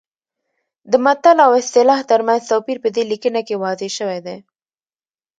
د متل او اصطلاح ترمنځ توپیر په دې لیکنه کې واضح شوی دی